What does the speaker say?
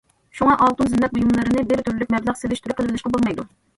شۇڭا ئالتۇن زىننەت بۇيۇملىرىنى بىر تۈرلۈك مەبلەغ سېلىش تۈرى قىلىۋېلىشقا بولمايدۇ.